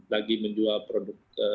lagi menjual produk